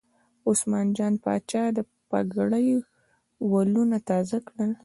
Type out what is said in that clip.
عثمان جان پاچا د پګړۍ ولونه تازه کړل.